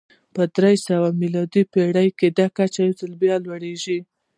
په درې سوه میلادي پېړۍ کې دا کچه یو ځل بیا لوړېږي